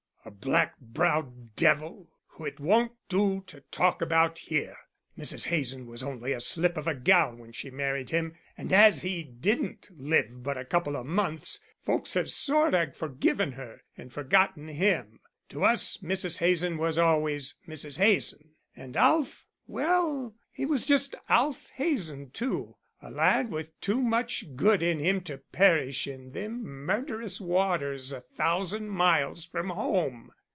"A black browed devil who it won't do to talk about here. Mrs. Hazen was only a slip of a gal when she married him, and as he didn't live but a couple o' months folks have sort o' forgiven her and forgotten him. To us Mrs. Hazen was always Mrs. Hazen; and Alf well, he was just Alf Hazen too; a lad with too much good in him to perish in them murderous waters a thousand miles from home."